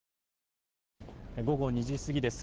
午後２時過ぎです。